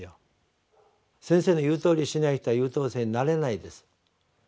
先生の言うとおりにしない人は優等生になれないです。